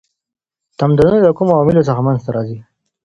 تمدنونه له کومو عواملو څخه منځ ته راځي؟